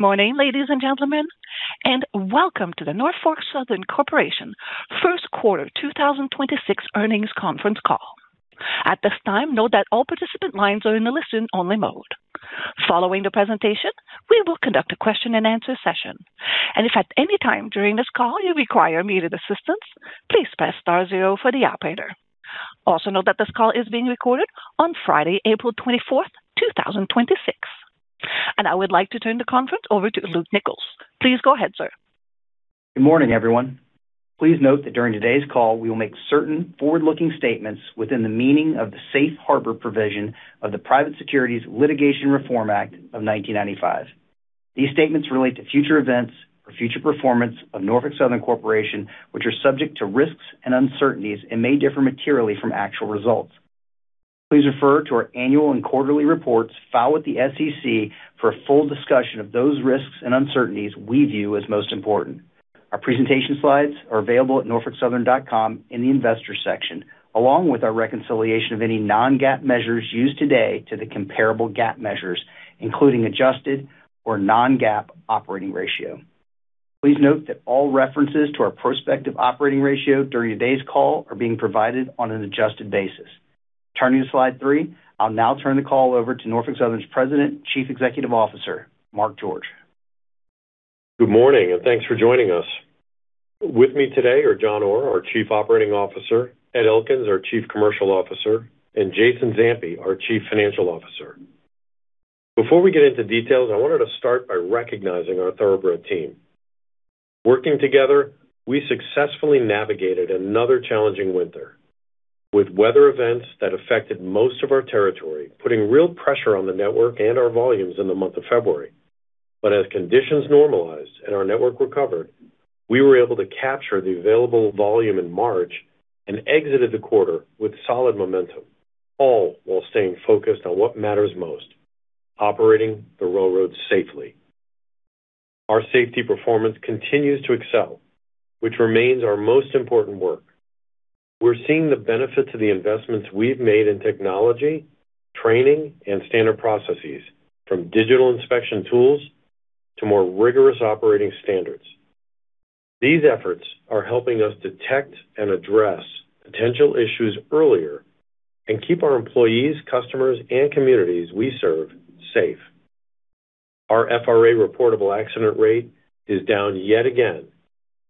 Morning, ladies and gentlemen, and welcome to the Norfolk Southern Corporation first quarter 2026 earnings conference call. At this time, note that all participant lines are in a listen-only mode. Following the presentation, we will conduct a question-and-answer session. If at any time during this call you require immediate assistance, please press star zero for the operator. Also note that this call is being recorded on Friday, April 24th, 2026. I would like to turn the conference over to Luke Nichols. Please go ahead, sir. Good morning, everyone. Please note that during today's call, we will make certain forward-looking statements within the meaning of the Safe Harbor provision of the Private Securities Litigation Reform Act of 1995. These statements relate to future events or future performance of Norfolk Southern Corporation, which are subject to risks and uncertainties and may differ materially from actual results. Please refer to our annual and quarterly reports filed with the SEC for a full discussion of those risks and uncertainties we view as most important. Our presentation slides are available at norfolksouthern.com in the Investors section, along with our reconciliation of any non-GAAP measures used today to the comparable GAAP measures, including adjusted or non-GAAP operating ratio. Please note that all references to our prospective operating ratio during today's call are being provided on an adjusted basis. Turning to slide three. I'll now turn the call over to Norfolk Southern's President and Chief Executive Officer, Mark George. Good morning, and thanks for joining us. With me today are John Orr, our Chief Operating Officer, Ed Elkins, our Chief Commercial Officer, and Jason Zampi, our Chief Financial Officer. Before we get into details, I wanted to start by recognizing our thoroughbred team. Working together, we successfully navigated another challenging winter, with weather events that affected most of our territory, putting real pressure on the network and our volumes in the month of February. As conditions normalized and our network recovered, we were able to capture the available volume in March and exited the quarter with solid momentum, all while staying focused on what matters most, operating the railroad safely. Our safety performance continues to excel, which remains our most important work. We're seeing the benefits of the investments we've made in technology, training, and standard processes, from digital inspection tools to more rigorous operating standards. These efforts are helping us detect and address potential issues earlier and keep our employees, customers, and communities we serve safe. Our FRA reportable accident rate is down yet again,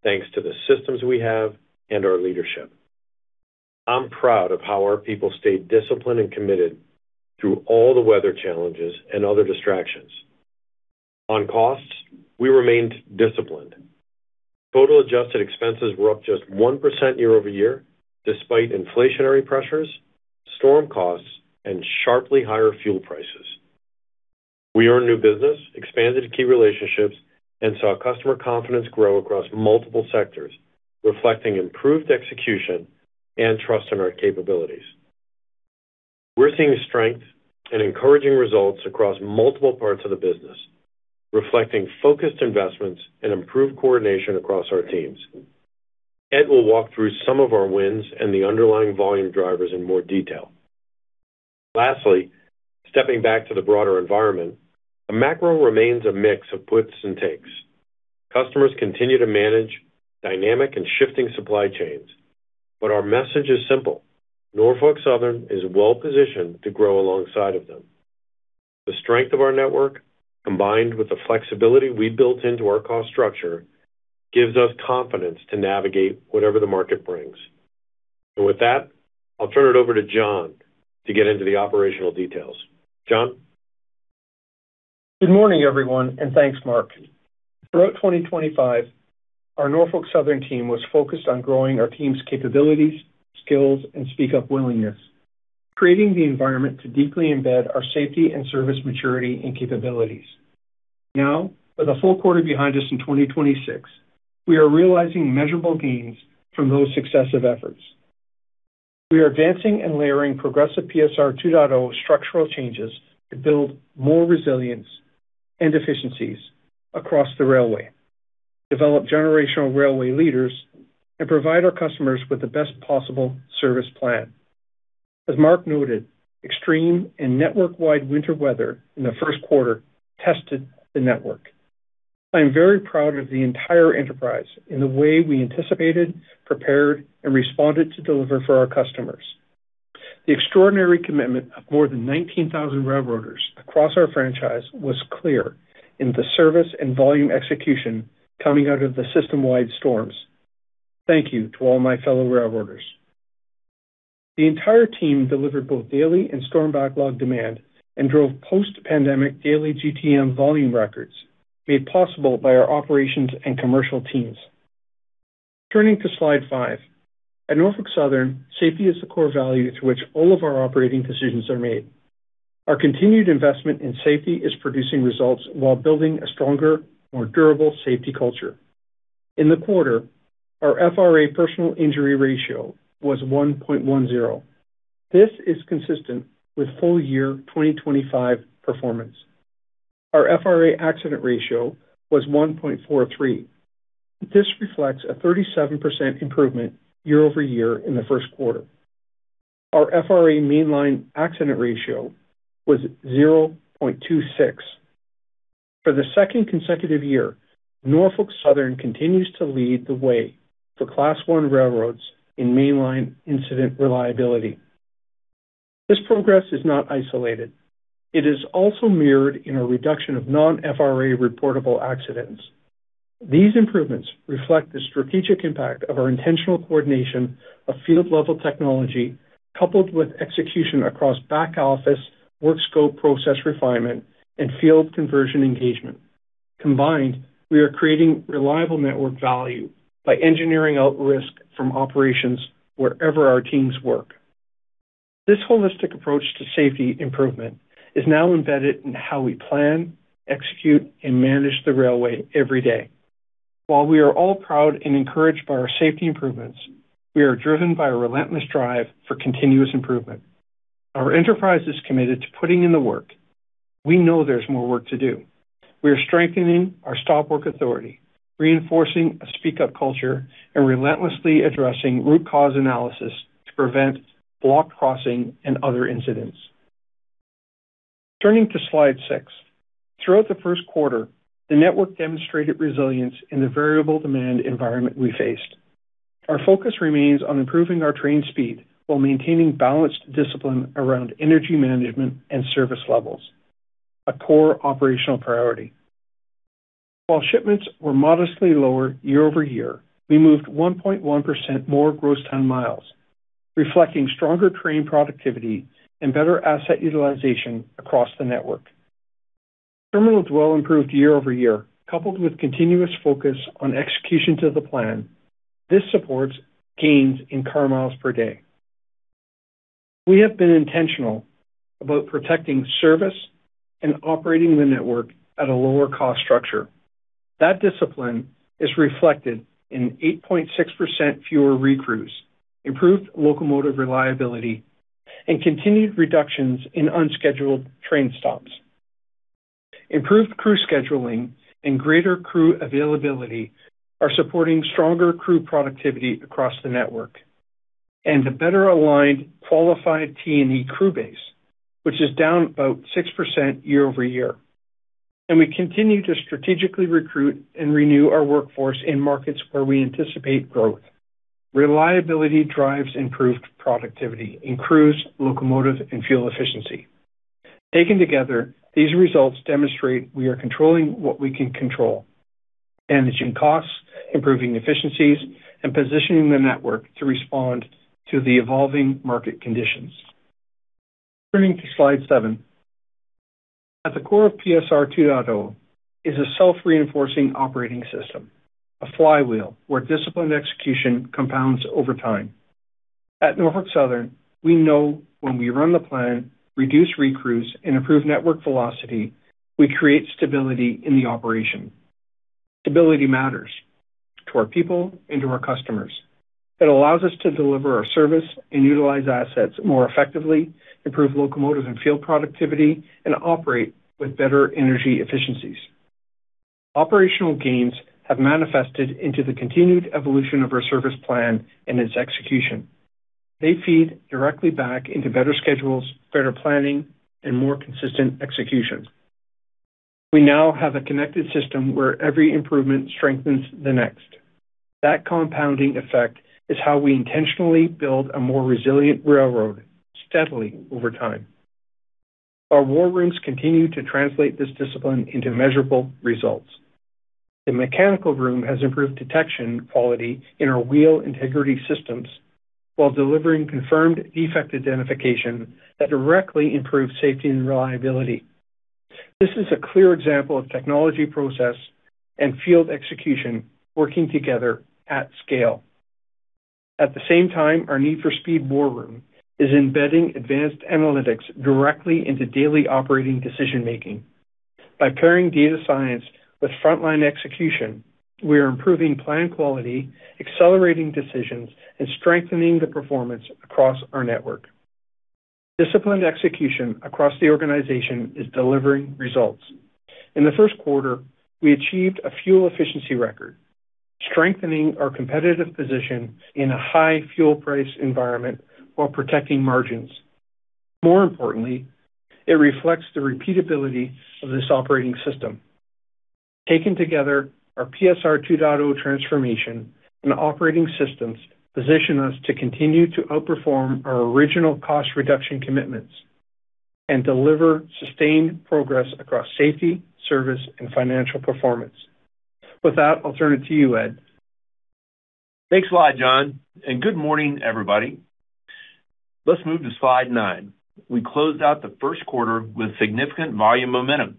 thanks to the systems we have and our leadership. I'm proud of how our people stayed disciplined and committed through all the weather challenges and other distractions. On costs, we remained disciplined. Total adjusted expenses were up just 1% year-over-year, despite inflationary pressures, storm costs, and sharply higher fuel prices. We earned new business, expanded key relationships, and saw customer confidence grow across multiple sectors, reflecting improved execution and trust in our capabilities. We're seeing strength and encouraging results across multiple parts of the business, reflecting focused investments and improved coordination across our teams. Ed will walk through some of our wins and the underlying volume drivers in more detail. Lastly, stepping back to the broader environment, the macro remains a mix of puts and takes. Customers continue to manage dynamic and shifting supply chains, but our message is simple: Norfolk Southern is well-positioned to grow alongside of them. The strength of our network, combined with the flexibility we built into our cost structure, gives us confidence to navigate whatever the market brings. With that, I'll turn it over to John to get into the operational details. John? Good morning, everyone, and thanks, Mark. Throughout 2025, our Norfolk Southern team was focused on growing our team's capabilities, skills, and speak-up willingness, creating the environment to deeply embed our safety and service maturity and capabilities. Now, with a full quarter behind us in 2026, we are realizing measurable gains from those successive efforts. We are advancing and layering progressive PSR 2.0 structural changes to build more resilience and efficiencies across the railway, develop generational railway leaders, and provide our customers with the best possible service plan. As Mark noted, extreme and network-wide winter weather in the first quarter tested the network. I am very proud of the entire enterprise in the way we anticipated, prepared, and responded to deliver for our customers. The extraordinary commitment of more than 19,000 railroaders across our franchise was clear in the service and volume execution coming out of the system-wide storms. Thank you to all my fellow railroaders. The entire team delivered both daily and storm backlog demand and drove post-pandemic daily GTM volume records, made possible by our operations and commercial teams. Turning to slide five. At Norfolk Southern, safety is the core value to which all of our operating decisions are made. Our continued investment in safety is producing results while building a stronger, more durable safety culture. In the quarter, our FRA personal injury ratio was 1.10. This is consistent with full year 2025 performance. Our FRA accident ratio was 1.43. This reflects a 37% improvement year-over-year in the first quarter. Our FRA mainline accident ratio was 0.26. For the second consecutive year, Norfolk Southern continues to lead the way for Class I railroads in mainline incident reliability. This progress is not isolated. It is also mirrored in a reduction of non-FRA reportable accidents. These improvements reflect the strategic impact of our intentional coordination of field-level technology, coupled with execution across back-office work scope, process refinement, and field conversion engagement. Combined, we are creating reliable network value by engineering out risk from operations wherever our teams work. This holistic approach to safety improvement is now embedded in how we plan, execute, and manage the railway every day. While we are all proud and encouraged by our safety improvements, we are driven by a relentless drive for continuous improvement. Our enterprise is committed to putting in the work. We know there's more work to do. We are strengthening our stop work authority, reinforcing a speak-up culture, and relentlessly addressing root cause analysis to prevent block crossing and other incidents. Turning to slide six. Throughout the first quarter, the network demonstrated resilience in the variable demand environment we faced. Our focus remains on improving our train speed while maintaining balanced discipline around energy management and service levels, a core operational priority. While shipments were modestly lower year-over-year, we moved 1.1% more gross ton miles, reflecting stronger train productivity and better asset utilization across the network. Terminal dwell improved year-over-year, coupled with continuous focus on executions of the plan. This supports gains in car miles per day. We have been intentional about protecting service and operating the network at a lower cost structure. That discipline is reflected in 8.6% fewer recrews, improved locomotive reliability, and continued reductions in unscheduled train stops. Improved crew scheduling and greater crew availability are supporting stronger crew productivity across the network and a better aligned, qualified T&E crew base, which is down about 6% year-over-year. We continue to strategically recruit and renew our workforce in markets where we anticipate growth. Reliability drives improved productivity in crews, locomotive, and fuel efficiency. Taken together, these results demonstrate we are controlling what we can control, managing costs, improving efficiencies, and positioning the network to respond to the evolving market conditions. Turning to slide seven. At the core of PSR 2.0 is a self-reinforcing operating system, a flywheel where disciplined execution compounds over time. At Norfolk Southern, we know when we run the plan, reduce recrews, and improve network velocity, we create stability in the operation. Stability matters to our people and to our customers. It allows us to deliver our service and utilize assets more effectively, improve locomotive and field productivity, and operate with better energy efficiencies. Operational gains have manifested into the continued evolution of our service plan and its execution. They feed directly back into better schedules, better planning, and more consistent execution. We now have a connected system where every improvement strengthens the next. That compounding effect is how we intentionally build a more resilient railroad steadily over time. Our war rooms continue to translate this discipline into measurable results. The mechanical room has improved detection quality in our wheel integrity systems while delivering confirmed defect identification that directly improves safety and reliability. This is a clear example of technology process and field execution working together at scale. At the same time, our Need for Speed war room is embedding advanced analytics directly into daily operating decision-making. By pairing data science with frontline execution, we are improving plan quality, accelerating decisions, and strengthening the performance across our network. Disciplined execution across the organization is delivering results. In the first quarter, we achieved a fuel efficiency record, strengthening our competitive position in a high fuel price environment while protecting margins. More importantly, it reflects the repeatability of this operating system. Taken together, our PSR 2.0 transformation and operating systems position us to continue to outperform our original cost reduction commitments and deliver sustained progress across safety, service, and financial performance. With that, I'll turn it to you, Ed. Thanks a lot, John, and good morning, everybody. Let's move to slide nine. We closed out the first quarter with significant volume momentum,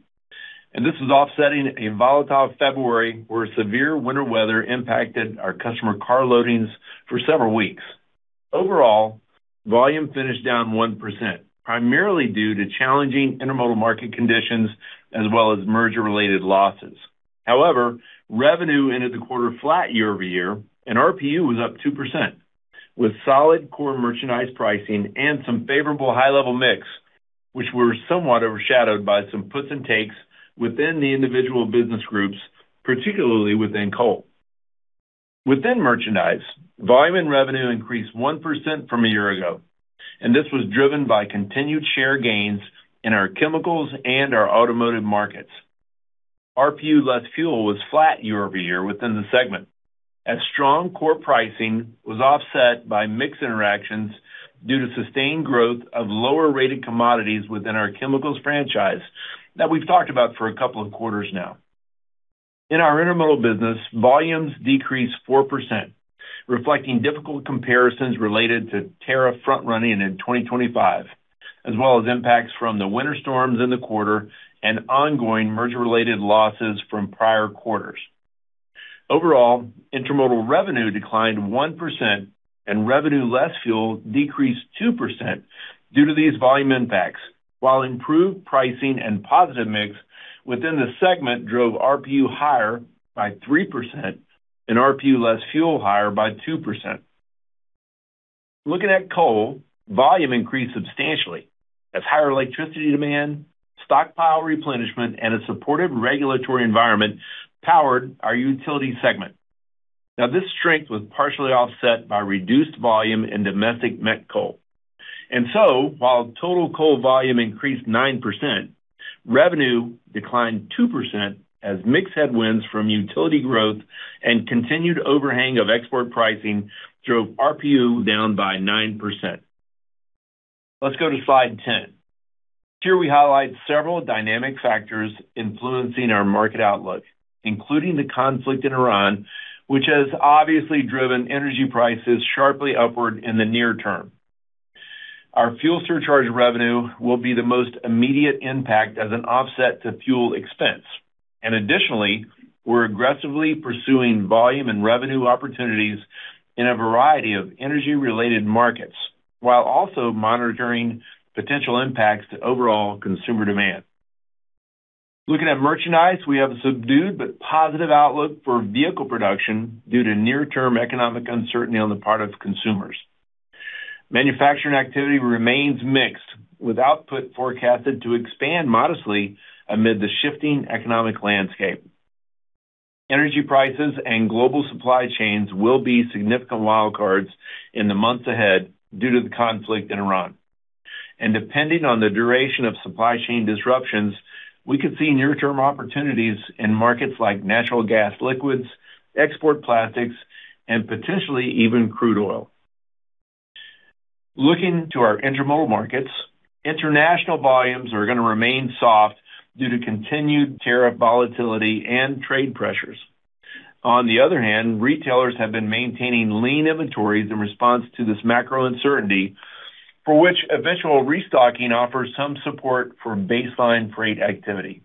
and this is offsetting a volatile February where severe winter weather impacted our customer car loadings for several weeks. Overall, volume finished down 1%, primarily due to challenging Intermodal market conditions as well as merger-related losses. However, revenue ended the quarter flat year-over-year, and RPU was up 2%, with solid core merchandise pricing and some favorable high-level mix, which were somewhat overshadowed by some puts and takes within the individual business groups, particularly within coal. Within merchandise, volume and revenue increased 1% from a year ago, and this was driven by continued share gains in our chemicals and our automotive markets. RPU less fuel was flat year-over-year within the segment, as strong core pricing was offset by mix interactions due to sustained growth of lower-rated commodities within our chemicals franchise that we've talked about for a couple of quarters now. In our Intermodal business, volumes decreased 4%, reflecting difficult comparisons related to tariff front-running in 2025, as well as impacts from the winter storms in the quarter and ongoing merger-related losses from prior quarters. Overall, Intermodal revenue declined 1%, and revenue less fuel decreased 2% due to these volume impacts, while improved pricing and positive mix within the segment drove RPU higher by 3% and RPU less fuel higher by 2%. Looking at coal, volume increased substantially as higher electricity demand, stockpile replenishment, and a supportive regulatory environment powered our utility segment. Now, this strength was partially offset by reduced volume in domestic met coal. While total coal volume increased 9%, revenue declined 2% as mix headwinds from utility growth and continued overhang of export pricing drove RPU down by 9%. Let's go to slide 10. Here we highlight several dynamic factors influencing our market outlook, including the conflict in Iran, which has obviously driven energy prices sharply upward in the near term. Our fuel surcharge revenue will be the most immediate impact as an offset to fuel expense. Additionally, we're aggressively pursuing volume and revenue opportunities in a variety of energy-related markets, while also monitoring potential impacts to overall consumer demand. Looking at merchandise, we have a subdued but positive outlook for vehicle production due to near-term economic uncertainty on the part of consumers. Manufacturing activity remains mixed, with output forecasted to expand modestly amid the shifting economic landscape. Energy prices and global supply chains will be significant wild cards in the months ahead due to the conflict in Iran. Depending on the duration of supply chain disruptions, we could see near-term opportunities in markets like natural gas liquids, export plastics, and potentially even crude oil. Looking to our Intermodal markets, international volumes are going to remain soft due to continued tariff volatility and trade pressures. On the other hand, retailers have been maintaining lean inventories in response to this macro uncertainty, for which eventual restocking offers some support for baseline freight activity.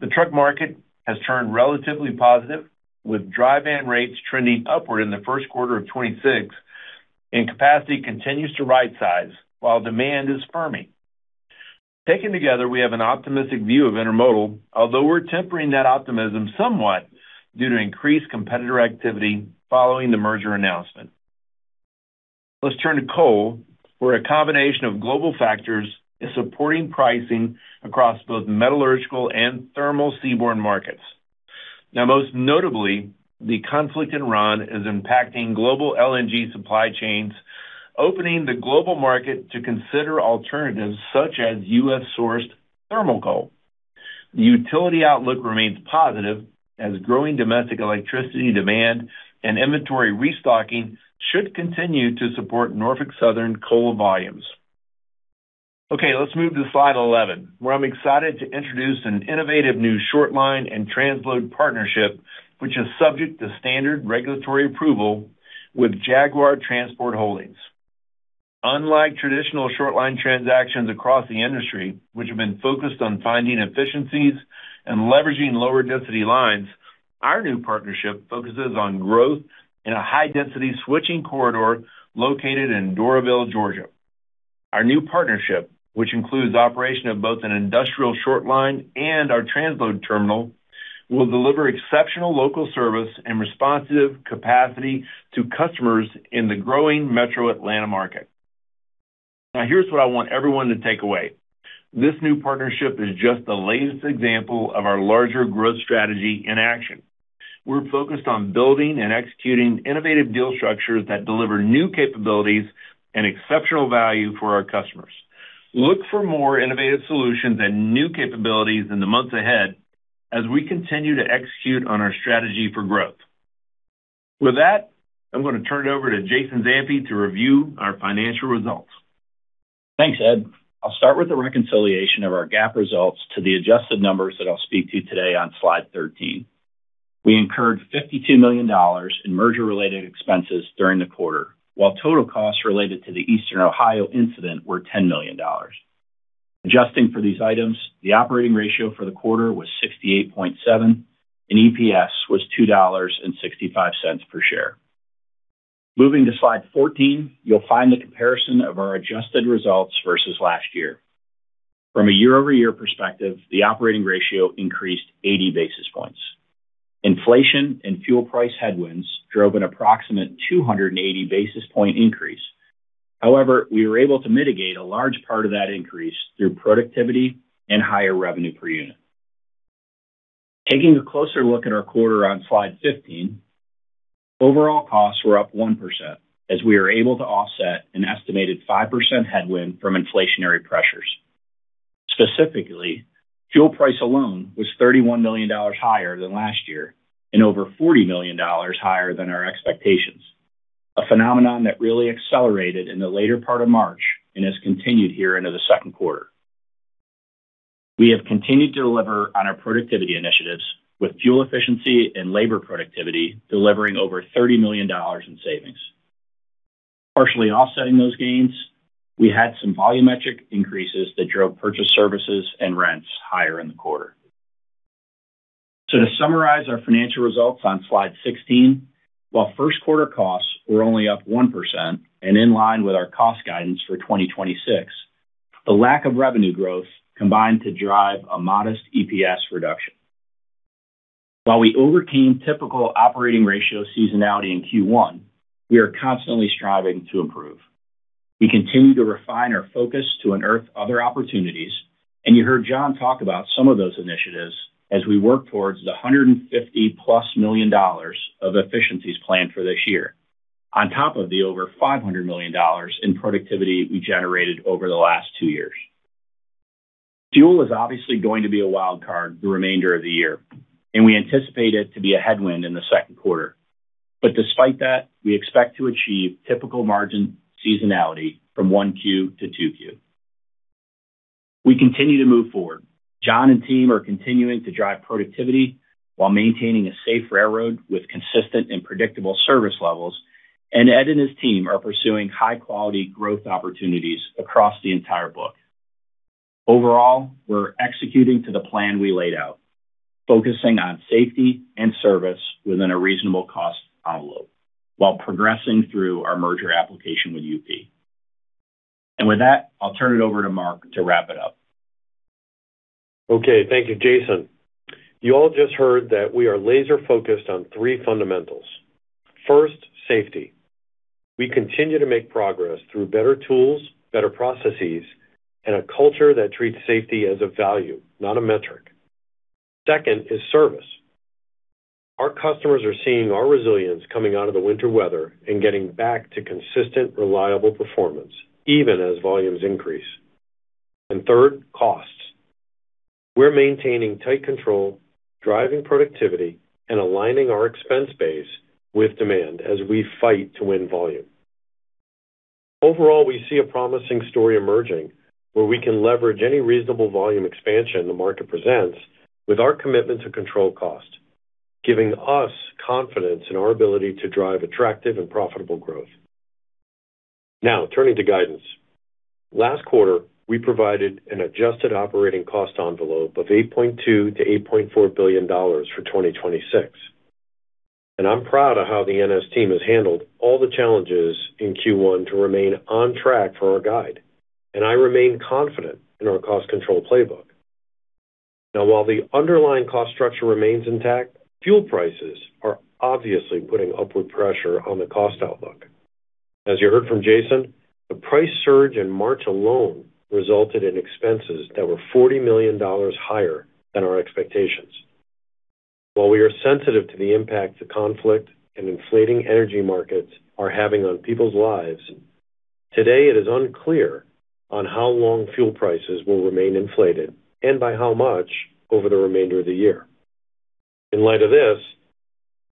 The truck market has turned relatively positive, with dry van rates trending upward in the first quarter of 2026, and capacity continues to right size while demand is firming. Taken together, we have an optimistic view of Intermodal, although we're tempering that optimism somewhat due to increased competitor activity following the merger announcement. Let's turn to coal, where a combination of global factors is supporting pricing across both metallurgical and thermal seaborne markets. Now most notably, the conflict in Iran is impacting global LNG supply chains, opening the global market to consider alternatives such as U.S.-sourced thermal coal. The utility outlook remains positive, as growing domestic electricity demand and inventory restocking should continue to support Norfolk Southern coal volumes. Okay, let's move to slide 11, where I'm excited to introduce an innovative new short line and transload partnership, which is subject to standard regulatory approval with Jaguar Transport Holdings. Unlike traditional short line transactions across the industry, which have been focused on finding efficiencies and leveraging lower density lines, our new partnership focuses on growth in a high-density switching corridor located in Doraville, Georgia. Our new partnership, which includes operation of both an industrial short line and our transload terminal, will deliver exceptional local service and responsive capacity to customers in the growing metro Atlanta market. Now, here's what I want everyone to take away. This new partnership is just the latest example of our larger growth strategy in action. We're focused on building and executing innovative deal structures that deliver new capabilities and exceptional value for our customers. Look for more innovative solutions and new capabilities in the months ahead as we continue to execute on our strategy for growth. With that, I'm going to turn it over to Jason Zampi to review our financial results. Thanks, Ed. I'll start with the reconciliation of our GAAP results to the adjusted numbers that I'll speak to today on slide 13. We incurred $52 million in merger-related expenses during the quarter, while total costs related to the Eastern Ohio incident were $10 million. Adjusting for these items, the operating ratio for the quarter was 68.7%, and EPS was $2.65 per share. Moving to slide 14, you'll find the comparison of our adjusted results versus last year. From a year-over-year perspective, the operating ratio increased 80 basis points. Inflation and fuel price headwinds drove an approximate 280 basis point increase. However, we were able to mitigate a large part of that increase through productivity and higher revenue per unit. Taking a closer look at our quarter on slide 15, overall costs were up 1% as we were able to offset an estimated 5% headwind from inflationary pressures. Specifically, fuel price alone was $31 million higher than last year and over $40 million higher than our expectations, a phenomenon that really accelerated in the later part of March and has continued here into the second quarter. We have continued to deliver on our productivity initiatives with fuel efficiency and labor productivity, delivering over $30 million in savings. Partially offsetting those gains, we had some volumetric increases that drove purchase services and rents higher in the quarter. To summarize our financial results on slide 16, while first quarter costs were only up 1% and in line with our cost guidance for 2026, the lack of revenue growth combined to drive a modest EPS reduction. While we overcame typical operating ratio seasonality in Q1, we are constantly striving to improve. We continue to refine our focus to unearth other opportunities, and you heard John talk about some of those initiatives as we work towards the $150+ million of efficiencies planned for this year, on top of the over $500 million in productivity we generated over the last two years. Fuel is obviously going to be a wild card the remainder of the year, and we anticipate it to be a headwind in the second quarter. Despite that, we expect to achieve typical margin seasonality from Q1 to Q2. We continue to move forward. John and team are continuing to drive productivity while maintaining a safe railroad with consistent and predictable service levels, and Ed and his team are pursuing high-quality growth opportunities across the entire book. Overall, we're executing to the plan we laid out, focusing on safety and service within a reasonable cost envelope while progressing through our merger application with UP. With that, I'll turn it over to Mark to wrap it up. Okay. Thank you, Jason. You all just heard that we are laser-focused on three fundamentals. First, safety. We continue to make progress through better tools, better processes, and a culture that treats safety as a value, not a metric. Second is service. Our customers are seeing our resilience coming out of the winter weather and getting back to consistent, reliable performance even as volumes increase. Third, costs. We're maintaining tight control, driving productivity, and aligning our expense base with demand as we fight to win volume. Overall, we see a promising story emerging where we can leverage any reasonable volume expansion the market presents with our commitment to control cost, giving us confidence in our ability to drive attractive and profitable growth. Now turning to guidance. Last quarter, we provided an adjusted operating cost envelope of $8.2 billion-$8.4 billion for 2026. I'm proud of how the NS team has handled all the challenges in Q1 to remain on track for our guide, and I remain confident in our cost control playbook. Now while the underlying cost structure remains intact, fuel prices are obviously putting upward pressure on the cost outlook. As you heard from Jason, the price surge in March alone resulted in expenses that were $40 million higher than our expectations. While we are sensitive to the impact the conflict and inflating energy markets are having on people's lives, today it is unclear on how long fuel prices will remain inflated and by how much over the remainder of the year. In light of this,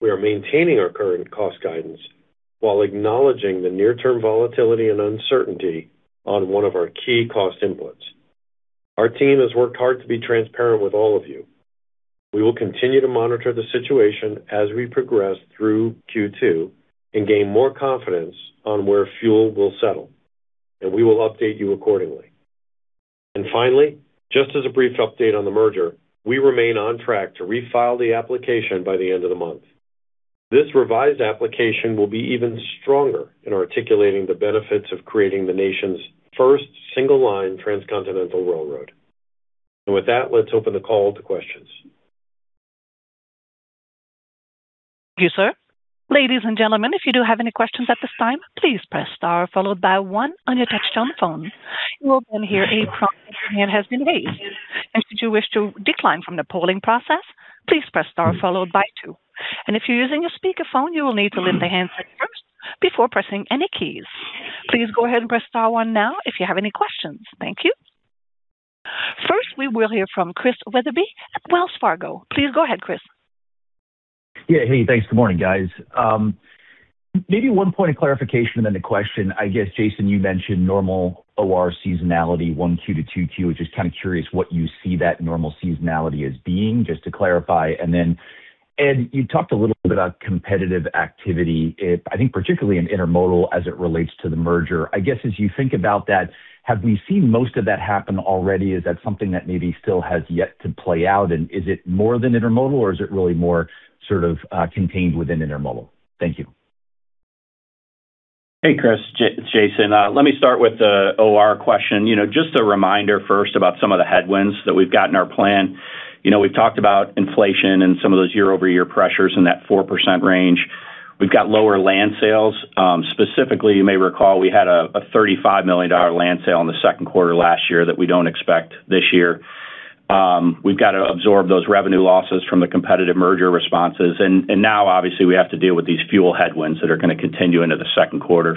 we are maintaining our current cost guidance while acknowledging the near-term volatility and uncertainty on one of our key cost inputs. Our team has worked hard to be transparent with all of you. We will continue to monitor the situation as we progress through Q2 and gain more confidence on where fuel will settle, and we will update you accordingly. Finally, just as a brief update on the merger, we remain on track to refile the application by the end of the month. This revised application will be even stronger in articulating the benefits of creating the nation's first single-line transcontinental railroad. With that, let's open the call to questions. Thank you, sir. Ladies and gentlemen, if you do have any questions at this time, please press star followed by one on your touchtone phone. You will then hear a prompt that your hand has been raised. Should you wish to decline from the polling process, please press star followed by two. If you're using a speakerphone, you will need to lift the handset first before pressing any keys. Please go ahead and press star one now if you have any questions. Thank you. First, we will hear from Chris Wetherbee at Wells Fargo. Please go ahead, Chris. Yeah. Hey, thanks. Good morning, guys. Maybe one point of clarification, then a question. I guess, Jason, you mentioned normal OR seasonality, Q1 to Q2Q, just kind of curious what you see that normal seasonality as being, just to clarify. Then Ed, you talked a little bit about competitive activity, I think particularly in Intermodal as it relates to the merger. I guess as you think about that, have we seen most of that happen already? Is that something that maybe still has yet to play out, and is it more than Intermodal, or is it really more sort of contained within Intermodal? Thank you. Hey, Chris. Jason. Let me start with the OR question. Just a reminder first about some of the headwinds that we've got in our plan. We've talked about inflation and some of those year-over-year pressures in that 4% range. We've got lower land sales. Specifically, you may recall we had a $35 million land sale in the second quarter last year that we don't expect this year. We've got to absorb those revenue losses from the competitive merger responses. Now, obviously, we have to deal with these fuel headwinds that are going to continue into the second quarter.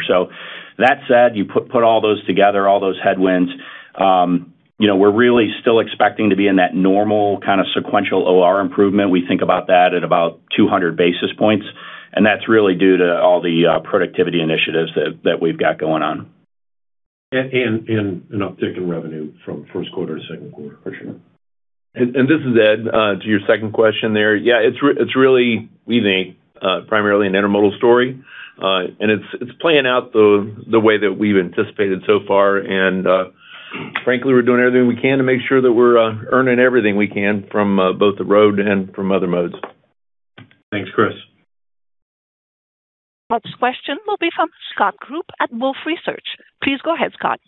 That said, you put all those together, all those headwinds, we're really still expecting to be in that normal kind of sequential OR improvement. We think about that at about 200 basis points, and that's really due to all the productivity initiatives that we've got going on. An uptick in revenue from first quarter to second quarter, for sure. This is Ed. To your second question there, yeah, it's really, we think, primarily an intermodal story. It's playing out the way that we've anticipated so far. Frankly, we're doing everything we can to make sure that we're earning everything we can from both the road and from other modes. Thanks, Chris. Next question will be from Scott Group at Wolfe Research. Please go ahead, Scott.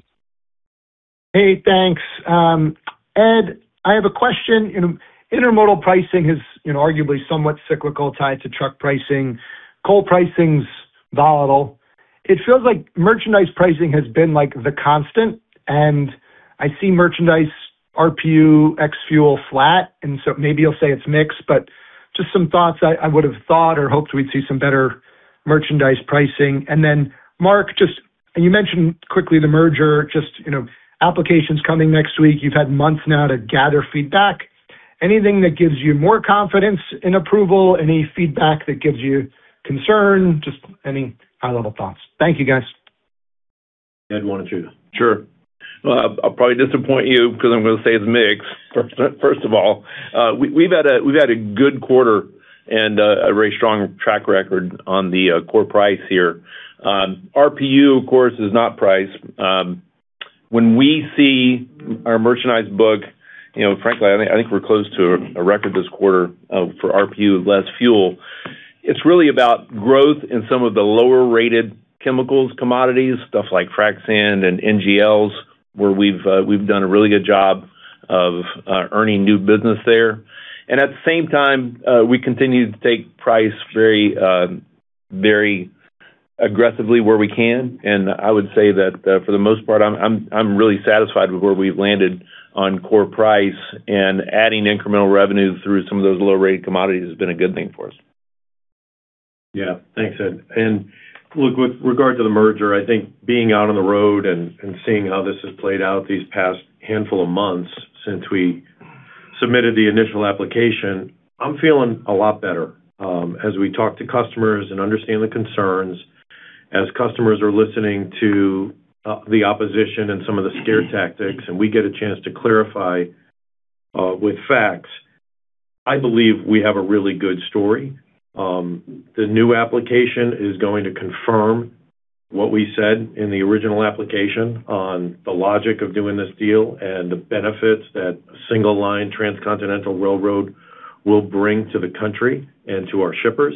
Hey, thanks. Ed, I have a question. Intermodal pricing is arguably somewhat cyclical, tied to truck pricing. Coal pricing's volatile. It feels like merchandise pricing has been the constant, and I see merchandise RPU ex fuel flat, and so maybe you'll say it's mixed, but just some thoughts I would have thought or hoped we'd see some better merchandise pricing. Mark, you mentioned quickly the merger, just applications coming next week. You've had months now to gather feedback. Anything that gives you more confidence in approval? Any feedback that gives you concern? Just any high-level thoughts. Thank you, guys. Ed, why don't you? Sure. I'll probably disappoint you because I'm going to say it's mixed, first of all. We've had a good quarter and a very strong track record on the core price here. RPU, of course, is not price. When we see our merchandise book, frankly, I think we're close to a record this quarter for RPU less fuel. It's really about growth in some of the lower-rated chemicals commodities, stuff like frac sand and NGLs, where we've done a really good job of earning new business there. At the same time, we continue to take price very aggressively where we can. I would say that for the most part, I'm really satisfied with where we've landed on core price, and adding incremental revenues through some of those low-rated commodities has been a good thing for us. Yeah. Thanks, Ed. Look, with regard to the merger, I think being out on the road and seeing how this has played out these past handful of months since we submitted the initial application, I'm feeling a lot better. As we talk to customers and understand the concerns, as customers are listening to the opposition and some of the scare tactics, and we get a chance to clarify with facts, I believe we have a really good story. The new application is going to confirm what we said in the original application on the logic of doing this deal and the benefits that a single line transcontinental railroad will bring to the country and to our shippers.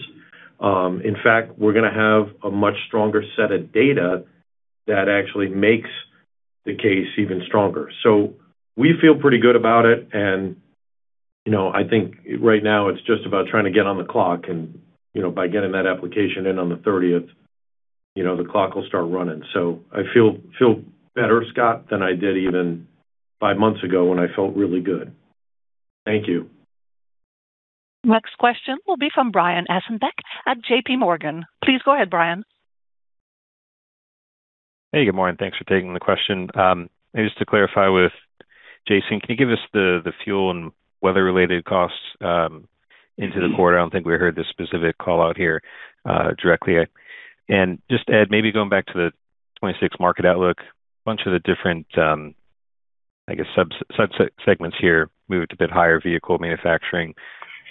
In fact, we're going to have a much stronger set of data that actually makes the case even stronger. We feel pretty good about it, and I think right now it's just about trying to get on the clock, and by getting that application in on the 30th, the clock will start running. I feel better, Scott, than I did even five months ago when I felt really good. Thank you. Next question will be from Brian Ossenbeck at JPMorgan. Please go ahead, Brian. Hey, good morning. Thanks for taking the question. Just to clarify with Jason, can you give us the fuel and weather-related costs into the quarter? I don't think we heard the specific call-out here directly. Just to add, maybe going back to the 2026 market outlook, a bunch of the different, I guess, sub-segments here moved to a bit higher vehicle manufacturing,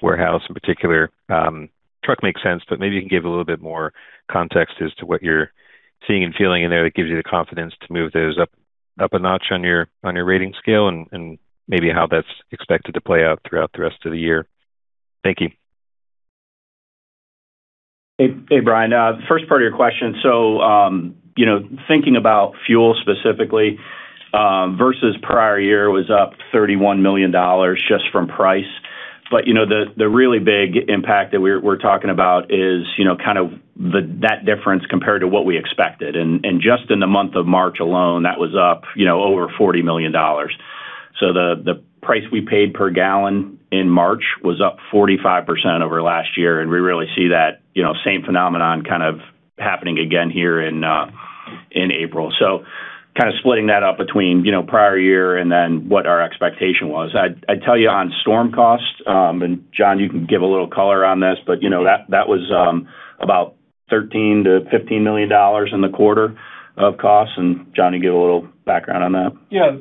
warehouse in particular. Truck makes sense, but maybe you can give a little bit more context as to what you're seeing and feeling in there that gives you the confidence to move those up a notch on your rating scale and maybe how that's expected to play out throughout the rest of the year. Thank you. Hey, Brian. First part of your question, thinking about fuel specifically versus prior year was up $31 million just from price. The really big impact that we're talking about is that difference compared to what we expected. Just in the month of March alone, that was up over $40 million. The price we paid per gallon in March was up 45% over last year, and we really see that same phenomenon happening again here in April. Splitting that up between prior year and then what our expectation was. I'd tell you on storm costs, and John, you can give a little color on this, but that was about $13 million-$15 million in the quarter of costs. John, you can give a little background on that. Yeah.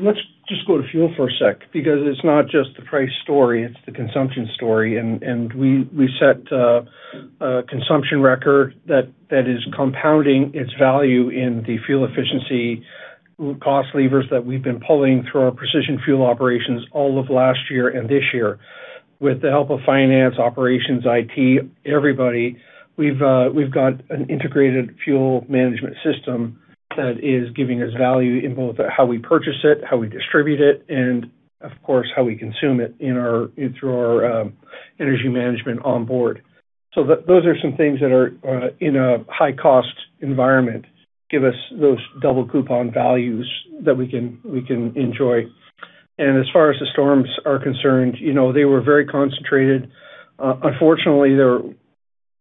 Let's just go to fuel for a sec, because it's not just the price story, it's the consumption story. We set a consumption record that is compounding its value in the fuel efficiency cost levers that we've been pulling through our precision fuel operations all of last year and this year. With the help of finance, operations, IT, everybody, we've got an integrated fuel management system that is giving us value in both how we purchase it, how we distribute it, and of course, how we consume it through our energy management on board. Those are some things that are in a high-cost environment, give us those double coupon values that we can enjoy. As far as the storms are concerned, they were very concentrated. Unfortunately, they were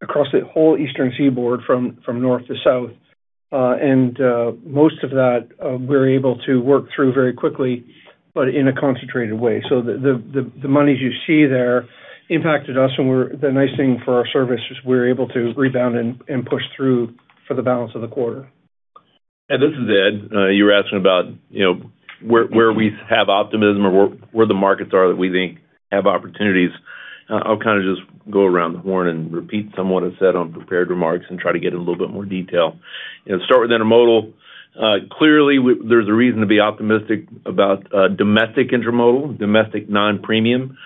across the whole Eastern Seaboard from North to South. Most of that we were able to work through very quickly, but in a concentrated way. The monies you see there impacted us, and the nice thing for our service is we were able to rebound and push through for the balance of the quarter. Yeah, this is Ed. You were asking about where we have optimism or where the markets are that we think have opportunities. I'll kind of just go around the horn and repeat somewhat I said on prepared remarks and try to get in a little bit more detail. Start with Intermodal. Clearly, there's a reason to be optimistic about domestic Intermodal, domestic non-premium.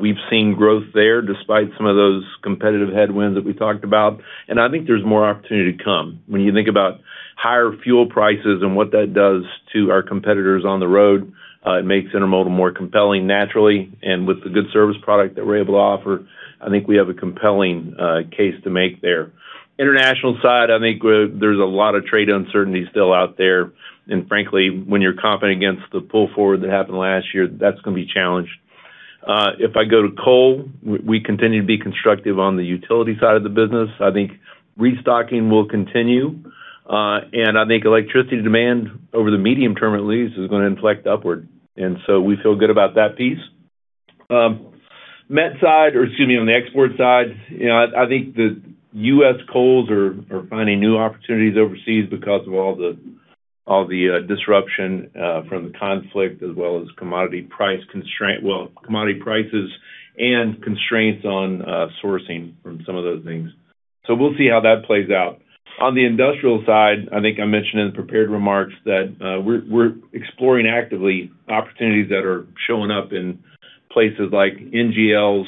We've seen growth there despite some of those competitive headwinds that we talked about. I think there's more opportunity to come. When you think about higher fuel prices and what that does to our competitors on the road, it makes Intermodal more compelling naturally. With the good service product that we're able to offer, I think we have a compelling case to make there. International side, I think there's a lot of trade uncertainty still out there. Frankly, when you're comping against the pull forward that happened last year, that's going to be challenged. If I go to coal, we continue to be constructive on the utility side of the business. I think restocking will continue. I think electricity demand, over the medium term at least, is going to inflect upward. We feel good about that piece. Met side, or excuse me, on the export side, I think the U.S. coals are finding new opportunities overseas because of all the disruption from the conflict as well as commodity prices and constraints on sourcing from some of those things. We'll see how that plays out. On the industrial side, I think I mentioned in the prepared remarks that we're exploring actively opportunities that are showing up in places like NGLs,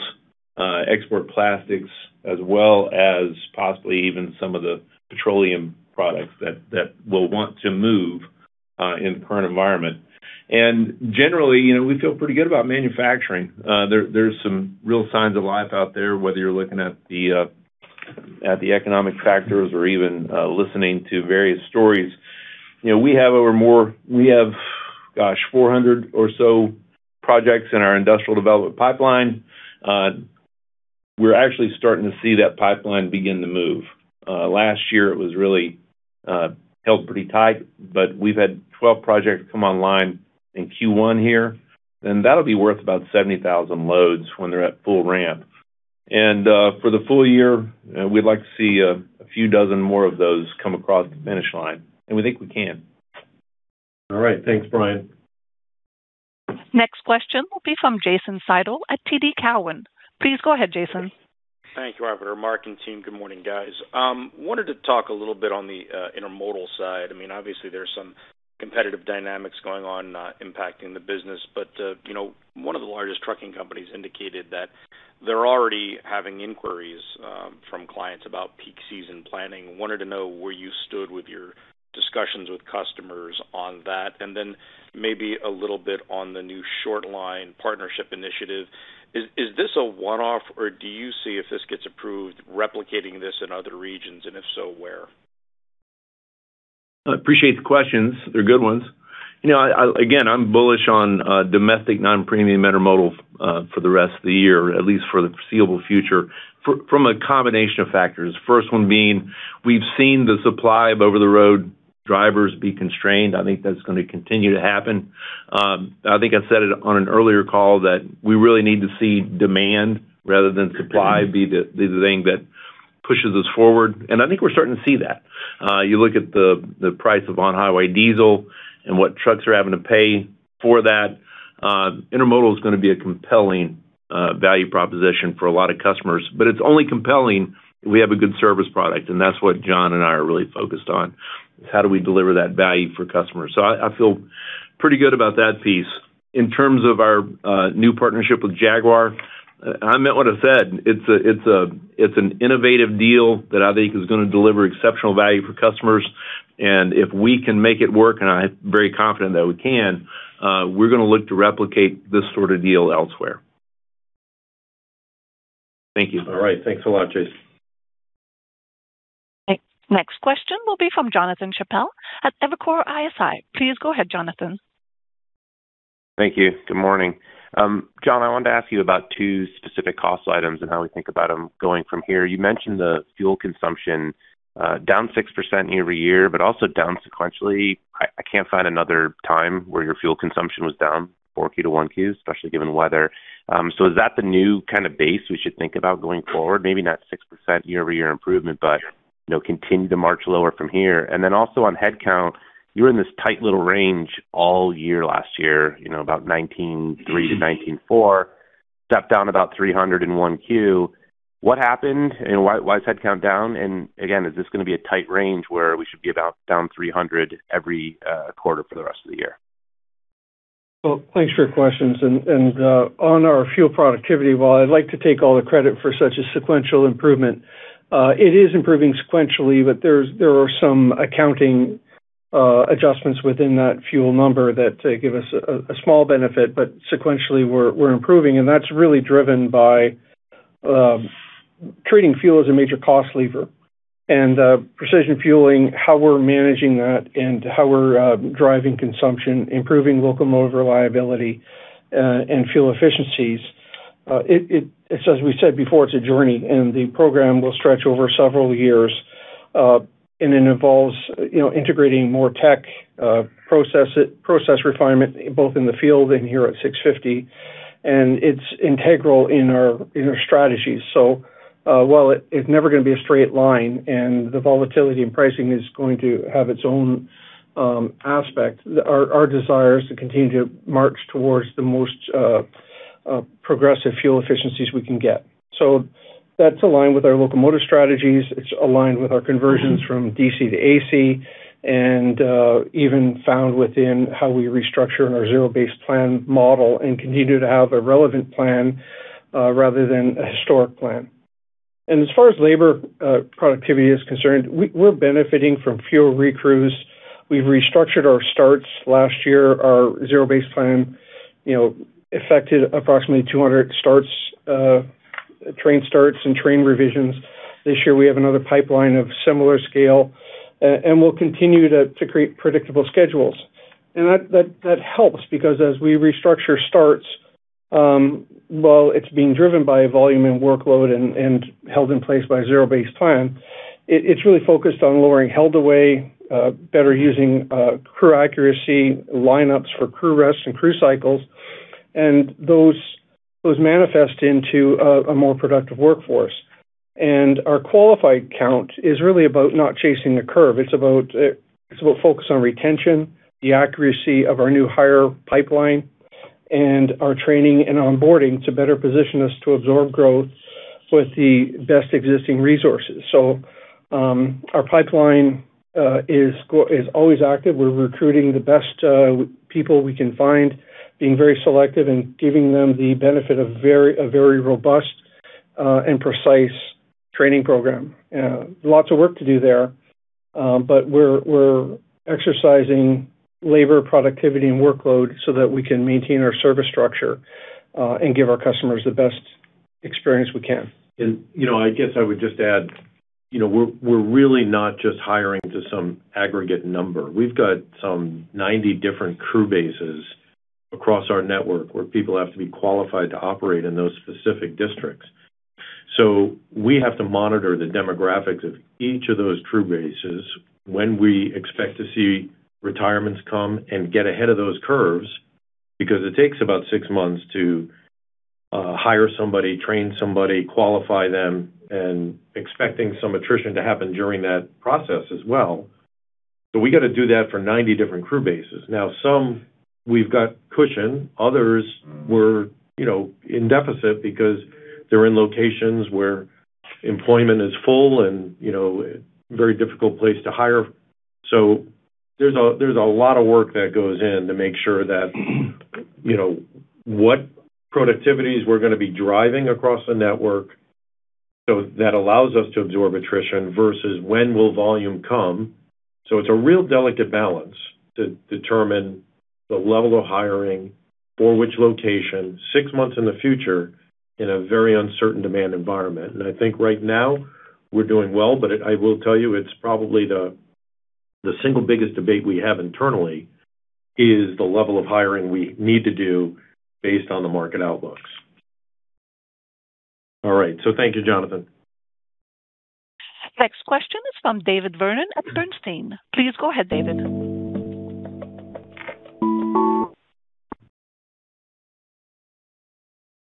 export plastics, as well as possibly even some of the petroleum products that will want to move in the current environment. Generally, we feel pretty good about manufacturing. There's some real signs of life out there, whether you're looking at the economic factors or even listening to various stories. We have, gosh, 400 or so projects in our industrial development pipeline. We're actually starting to see that pipeline begin to move. Last year, it was really held pretty tight, but we've had 12 projects come online in Q1 here, and that'll be worth about 70,000 loads when they're at full ramp. For the full year, we'd like to see a few dozen more of those come across the finish line, and we think we can. All right. Thanks, Brian. Next question will be from Jason Seidl at TD Cowen. Please go ahead, Jason. Thank you, operator. Mark and team, good morning, guys. I wanted to talk a little bit on the Intermodal side. I mean, obviously, there's some competitive dynamics going on impacting the business. One of the largest trucking companies indicated that they're already having inquiries from clients about peak season planning. I wanted to know where you stood with your discussions with customers on that, and then maybe a little bit on the new short line partnership initiative. Is this a one-off, or do you see if this gets approved, replicating this in other regions, and if so, where? I appreciate the questions. They're good ones. Again, I'm bullish on domestic non-premium intermodal for the rest of the year, at least for the foreseeable future, from a combination of factors. First one being, we've seen the supply of over-the-road drivers be constrained. I think that's going to continue to happen. I think I said it on an earlier call that we really need to see demand rather than supply be the thing that pushes us forward. I think we're starting to see that. You look at the price of on-highway diesel and what trucks are having to pay for that, Intermodal is going to be a compelling value proposition for a lot of customers. It's only compelling if we have a good service product, and that's what John and I are really focused on, is how do we deliver that value for customers. I feel pretty good about that piece. In terms of our new partnership with Jaguar, I meant what I said. It's an innovative deal that I think is going to deliver exceptional value for customers. If we can make it work, and I am very confident that we can, we're going to look to replicate this sort of deal elsewhere. Thank you. All right. Thanks a lot, Jason. Next question will be from Jonathan Chappell at Evercore ISI. Please go ahead, Jonathan. Thank you. Good morning. John, I wanted to ask you about two specific cost items and how we think about them going from here. You mentioned the fuel consumption down 6% year-over-year, but also down sequentially. I can't find another time where your fuel consumption was down Q4 to Q1, especially given the weather. Is that the new kind of base we should think about going forward? Maybe not 6% year-over-year improvement, but continue to march lower from here. Then also on headcount, you were in this tight little range all year last year, about 19,300–19,400 employees. Stepped down about 300 employees in Q1. What happened and why is headcount down? Again, is this going to be a tight range where we should be about down 300 every quarter for the rest of the year? Well, thanks for your questions. On our fuel productivity, while I'd like to take all the credit for such a sequential improvement, it is improving sequentially, but there are some accounting adjustments within that fuel number that give us a small benefit. Sequentially, we're improving, and that's really driven by treating fuel as a major cost lever and precision fueling, how we're managing that and how we're driving consumption, improving locomotive reliability, and fuel efficiencies. As we said before, it's a journey, and the program will stretch over several years, and it involves integrating more tech process refinement both in the field and here at 650 West Peachtree Street. It's integral in our strategies. While it is never going to be a straight line and the volatility in pricing is going to have its own aspect, our desire is to continue to march towards the most progressive fuel efficiencies we can get. That's aligned with our locomotive strategies, it's aligned with our conversions from DC to AC, and even found within how we restructure in our zero-based plan model and continue to have a relevant plan rather than a historic plan. As far as labor productivity is concerned, we're benefiting from fewer recrews. We've restructured our starts. Last year, our zero-based plan affected approximately 200 train starts and train revisions. This year, we have another pipeline of similar scale, and we'll continue to create predictable schedules. That helps because as we restructure starts, while it's being driven by volume and workload and held in place by zero-based plan, it's really focused on lowering held away, better using crew accuracy, lineups for crew rests and crew cycles, and those manifest into a more productive workforce. Our qualified count is really about not chasing the curve. It's about focus on retention, the accuracy of our new hire pipeline, and our training and onboarding to better position us to absorb growth with the best existing resources. Our pipeline is always active. We're recruiting the best people we can find, being very selective and giving them the benefit of a very robust and precise training program. Lots of work to do there, but we're exercising labor productivity and workload so that we can maintain our service structure and give our customers the best experience we can. I guess I would just add, we're really not just hiring to some aggregate number. We've got some 90 different crew bases across our network where people have to be qualified to operate in those specific districts. We have to monitor the demographics of each of those crew bases when we expect to see retirements come and get ahead of those curves, because it takes about six months to hire somebody, train somebody, qualify them, and expecting some attrition to happen during that process as well. We got to do that for 90 different crew bases. Now, some we've got cushion. Others we're in deficit because they're in locations where employment is full and very difficult place to hire. There's a lot of work that goes in to make sure that what productivities we're going to be driving across the network, so that allows us to absorb attrition versus when will volume come. It's a real delicate balance to determine the level of hiring for which location six months in the future in a very uncertain demand environment. I think right now we're doing well, but I will tell you it's probably the single biggest debate we have internally is the level of hiring we need to do based on the market outlooks. All right. Thank you, Jonathan. Next question is from David Vernon at Bernstein. Please go ahead, David.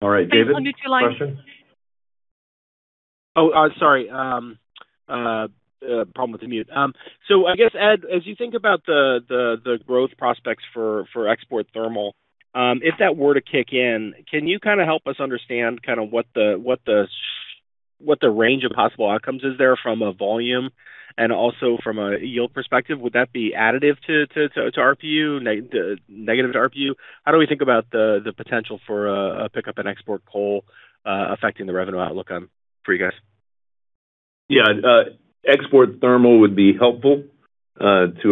All right, David. David, we need your line. Question? Oh, sorry. Problem with the mute. I guess, Ed, as you think about the growth prospects for export thermal, if that were to kick in, can you kind of help us understand what the range of possible outcomes is there from a volume and also from a yield perspective? Would that be additive to RPU, negative to RPU? How do we think about the potential for a pickup in export coal affecting the revenue outlook for you guys? Yeah. Export thermal would be helpful to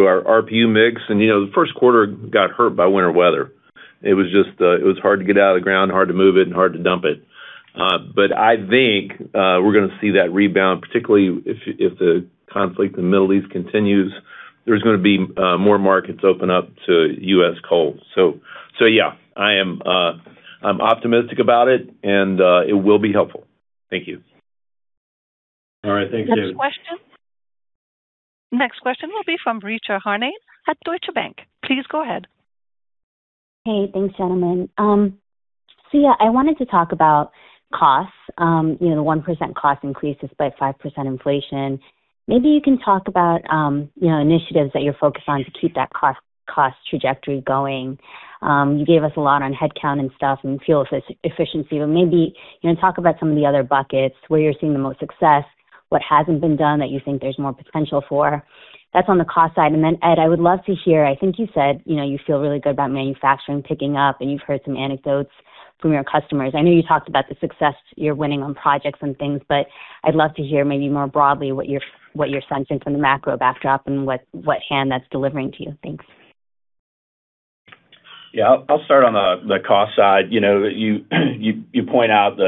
our RPU mix. The first quarter got hurt by winter weather. It was hard to get out of the ground, hard to move it, and hard to dump it. I think we're going to see that rebound, particularly if the conflict in the Middle East continues, there's going to be more markets open up to U.S. coal. Yeah, I'm optimistic about it, and it will be helpful. Thank you. All right. Thank you, David. Next question. Next question will be from Richa Talwar at Deutsche Bank. Please go ahead. Hey. Thanks, gentlemen. Yeah, I wanted to talk about costs. The 1% cost increase despite 5% inflation. Maybe you can talk about initiatives that you're focused on to keep that cost trajectory going. You gave us a lot on headcount and stuff and fuel efficiency, but maybe talk about some of the other buckets where you're seeing the most success, what hasn't been done that you think there's more potential for. That's on the cost side. Ed, I would love to hear. I think you said you feel really good about manufacturing picking up, and you've heard some anecdotes from your customers. I know you talked about the success you're winning on projects and things, but I'd love to hear maybe more broadly what you're sensing from the macro backdrop and what that hands to you. Thanks. Yeah, I'll start on the cost side. You point out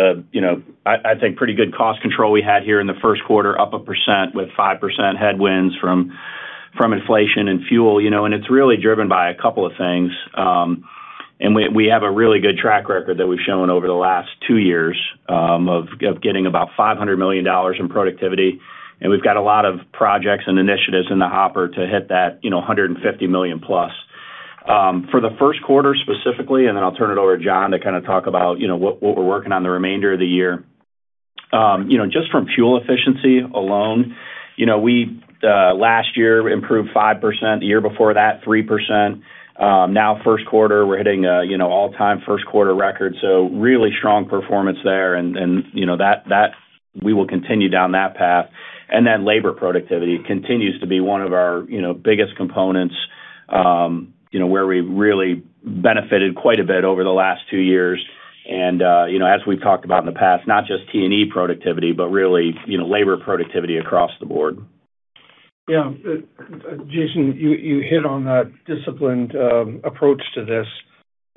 I'd say pretty good cost control we had here in the first quarter, up 1% with 5% headwinds from inflation and fuel. It's really driven by a couple of things. We have a really good track record that we've shown over the last 2 years of getting about $500 million in productivity. We've got a lot of projects and initiatives in the hopper to hit that $150 million+. For the first quarter specifically, and then I'll turn it over to John to talk about what we're working on the remainder of the year. Just from fuel efficiency alone, we, last year, improved 5%, the year before that 3%. Now, first quarter, we're hitting all-time first quarter records, so really strong performance there. We will continue down that path. Labor productivity continues to be one of our biggest components, where we've really benefited quite a bit over the last two years. As we've talked about in the past, not just T&E productivity, but really labor productivity across the board. Yeah. Jason, you hit on that disciplined approach to this,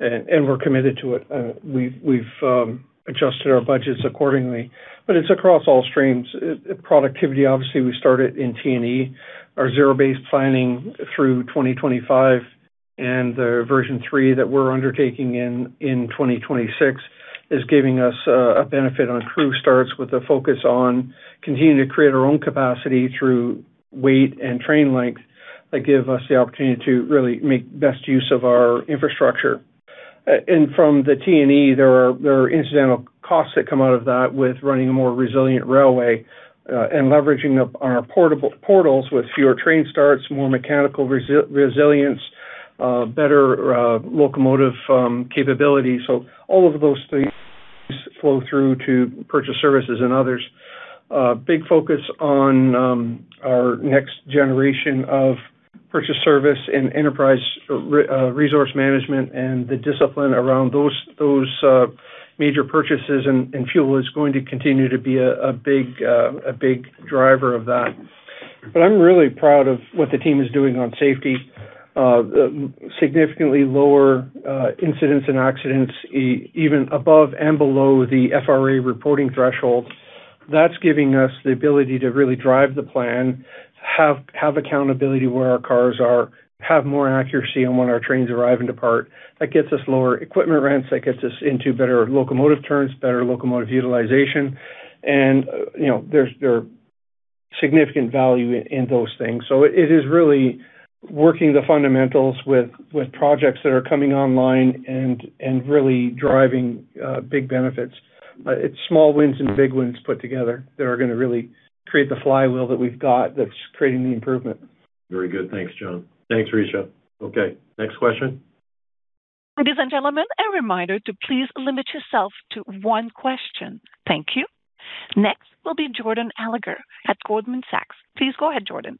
and we're committed to it. We've adjusted our budgets accordingly. It's across all streams. Productivity, obviously, we started in T&E. Our zero-based planning through 2025 and the version three that we're undertaking in 2026 is giving us a benefit on crew starts with a focus on continuing to create our own capacity through weight and train length that give us the opportunity to really make the best use of our infrastructure. From the T&E, there are incidental costs that come out of that with running a more resilient railway, and leveraging our portals with fewer train starts, more mechanical resilience, better locomotive capability. All of those things flow through to purchased services and others. A big focus on our next generation of purchase service and enterprise resource management and the discipline around those major purchases, and fuel is going to continue to be a big driver of that. I'm really proud of what the team is doing on safety. Significantly lower incidents and accidents, even above and below the FRA reporting threshold. That's giving us the ability to really drive the plan, have accountability where our cars are, have more accuracy on when our trains arrive and depart. That gets us lower equipment rents, that gets us into better locomotive turns, better locomotive utilization. There's significant value in those things. It is really working the fundamentals with projects that are coming online and really driving big benefits. It's small wins and big wins put together that are going to really create the flywheel that we've got that's creating the improvement. Very good. Thanks, John. Thanks, Richa. Okay, next question. Ladies and gentlemen, a reminder to please limit yourself to one question. Thank you. Next will be Jordan Alliger at Goldman Sachs. Please go ahead, Jordan.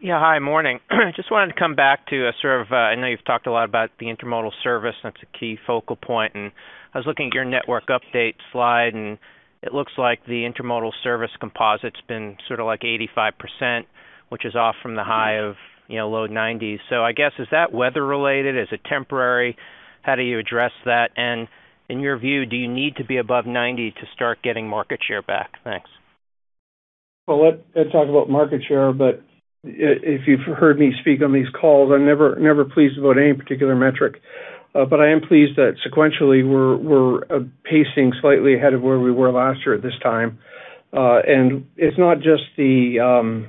Yeah. Hi. Morning. Just wanted to come back to, I know you've talked a lot about the Intermodal service, and that's a key focal point. I was looking at your network update slide, and it looks like the Intermodal service composite's been sort of 85%, which is off from the high of low 90s%. I guess, is that weather-related? Is it temporary? How do you address that? In your view, do you need to be above 90% to start getting market share back? Thanks. Well, let's talk about market share, but if you've heard me speak on these calls, I'm never pleased about any particular metric. I am pleased that sequentially, we're pacing slightly ahead of where we were last year at this time. It's not just the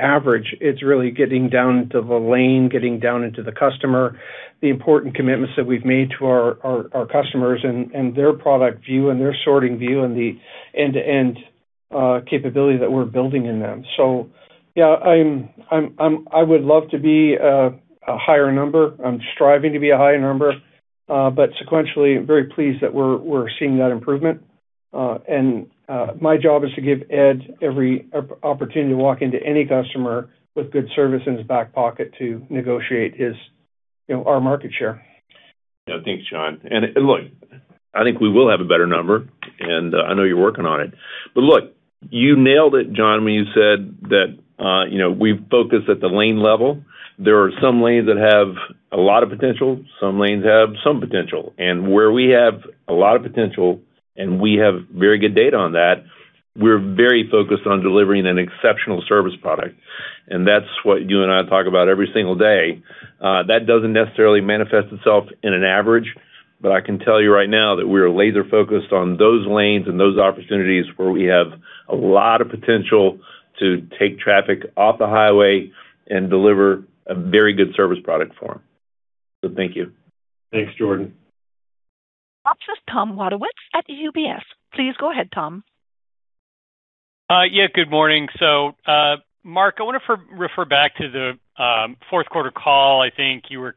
average. It's really getting down to the lane, getting down into the customer, the important commitments that we've made to our customers and their product view and their sorting view and the end-to-end capability that we're building in them. Yeah, I would love to be a higher number. I'm striving to be a higher number. Sequentially, very pleased that we're seeing that improvement. My job is to give Ed every opportunity to walk into any customer with good service in his back pocket to negotiate our market share. Yeah. Thanks, John. Look, I think we will have a better number, and I know you're working on it. Look, you nailed it, John, when you said that we focus at the lane level. There are some lanes that have a lot of potential. Some lanes have some potential. Where we have a lot of potential, and we have very good data on that, we're very focused on delivering an exceptional service product. That's what you and I talk about every single day. That doesn't necessarily manifest itself in an average. I can tell you right now that we're laser-focused on those lanes and those opportunities where we have a lot of potential to take traffic off the highway and deliver a very good service product for them. Thank you. Thanks, Jordan. Next is Tom Wadewitz at UBS. Please go ahead, Tom. Yeah. Good morning. Mark, I want to refer back to the fourth quarter call. I think you were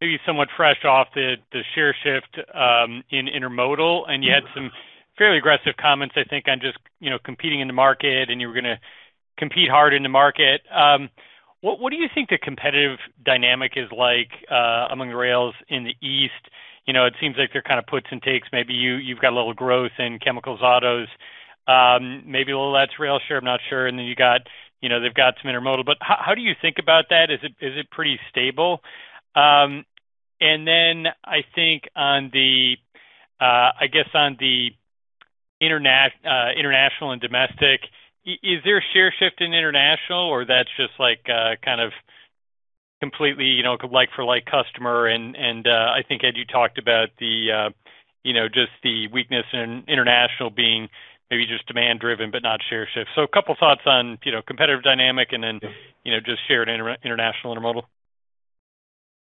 maybe somewhat fresh off the share shift in intermodal, and you had some fairly aggressive comments, I think, on just competing in the market, and you were going to compete hard in the market. What do you think the competitive dynamic is like among rails in the East? It seems like there are puts and takes. Maybe you've got a little growth in chemicals, autos, maybe a little less rail share, I'm not sure. Then they've got some Intermodal. How do you think about that? Is it pretty stable? I think on the international and domestic, is there a share shift in international? That's just completely like for like customer and, I think, Ed, you talked about just the weakness in international being maybe just demand driven but not share shift. A couple thoughts on competitive dynamic and then just share at international Intermodal.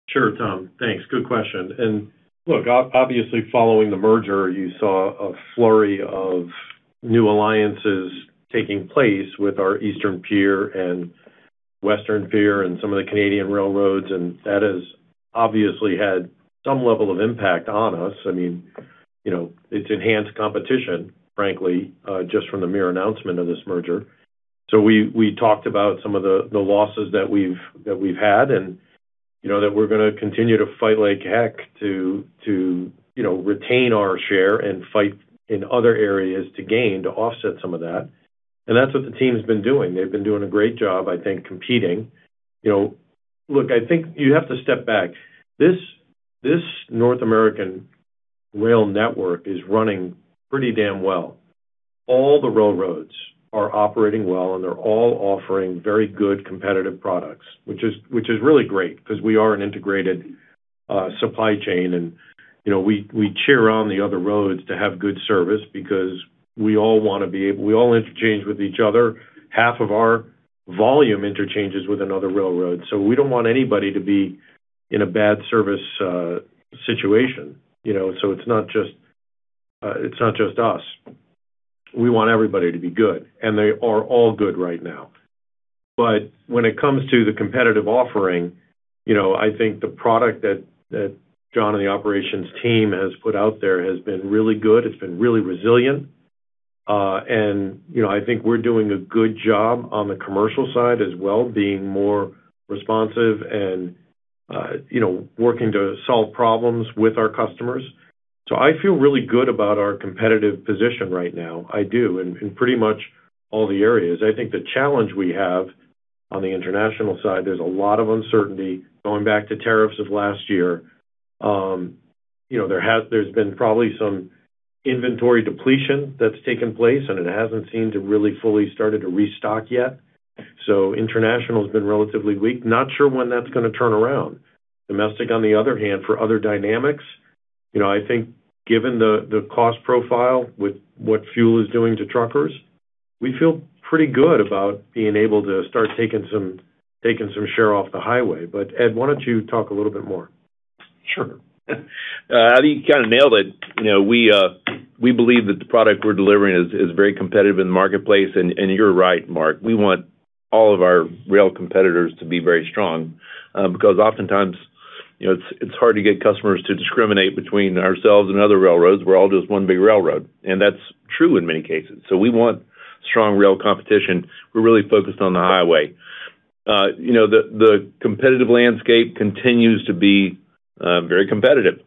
Sure, Tom. Thanks. Good question. Look, obviously following the merger, you saw a flurry of new alliances taking place with our eastern peer and western peer and some of the Canadian railroads, and that has obviously had some level of impact on us. It's enhanced competition, frankly, just from the mere announcement of this merger. We talked about some of the losses that we've had, and that we're going to continue to fight like heck to retain our share and fight in other areas to gain, to offset some of that. That's what the team's been doing. They've been doing a great job, I think, competing. Look, I think you have to step back. This North American rail network is running pretty damn well. All the railroads are operating well, and they're all offering very good competitive products, which is really great because we are an integrated supply chain, and we cheer on the other roads to have good service because we all interchange with each other. Half of our volume interchanges with another railroad, so we don't want anybody to be in a bad service situation. It's not just us. We want everybody to be good, and they are all good right now. When it comes to the competitive offering, I think the product that John and the operations team has put out there has been really good. It's been really resilient. I think we're doing a good job on the commercial side as well, being more responsive and working to solve problems with our customers. I feel really good about our competitive position right now, I do, in pretty much all the areas. I think the challenge we have on the international side, there's a lot of uncertainty going back to tariffs of last year. There's been probably some inventory depletion that's taken place, and it hasn't seemed to really fully started to restock yet. International's been relatively weak. Not sure when that's going to turn around. Domestic, on the other hand, for other dynamics, I think given the cost profile with what fuel is doing to truckers, we feel pretty good about being able to start taking some share off the highway. Ed, why don't you talk a little bit more? Sure. I think you kind of nailed it. We believe that the product we're delivering is very competitive in the marketplace. You're right, Mark, we want all of our rail competitors to be very strong because oftentimes it's hard to get customers to discriminate between ourselves and other railroads. We're all just one big railroad, and that's true in many cases. We want strong rail competition. We're really focused on the highway. The competitive landscape continues to be very competitive.